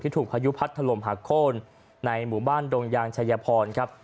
ถูกพายุพัดถล่มหักโค้นในหมู่บ้านดงยางชายพรครับ